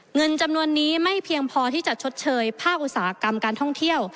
เงินจำนวนนี้ไม่เพียงพอที่จะชดเชยภาคอุตสาหกรรมการท่องเที่ยว